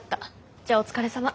じゃあお疲れさま。